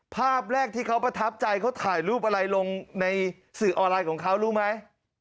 ภาพแรกที่เขาประทับใจเขาถ่ายรูปอะไรลงในสื่อออนไลน์ของเขารู้ไหม